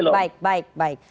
baik baik baik